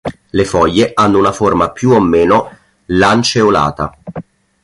Le foglie hanno una forma più o meno lanceolata.